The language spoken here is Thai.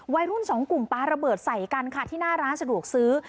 วัยรุ่นสองกลุ่มปลาระเบิดใส่กันค่ะที่หน้าร้านสะดวกซื้อ